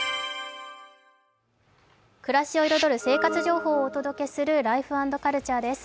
暮らしを彩る生活情報をお届けする「ライフ＆カルチャー」です。